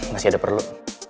masih ada perlu